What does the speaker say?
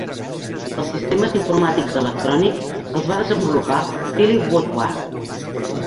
Els sistemes informàtics electrònics els va desenvolupar Philip Woodward.